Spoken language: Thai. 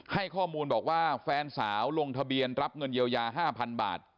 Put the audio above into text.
ให้ข้อมูลบอกว่าแฟนสาวลงทะเบียนรับเงินเยียวยา๕๐๐๐บาท